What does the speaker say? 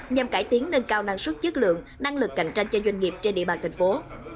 nhằm cải tiến nâng cao năng suất chất lượng năng lực cạnh tranh cho doanh nghiệp trên địa bàn thành phố